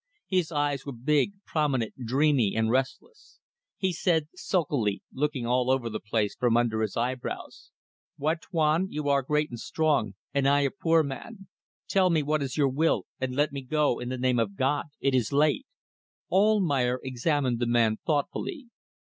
His eyes were big, prominent, dreamy and restless. He said sulkily, looking all over the place from under his eyebrows "White Tuan, you are great and strong and I a poor man. Tell me what is your will, and let me go in the name of God. It is late." Almayer examined the man thoughtfully.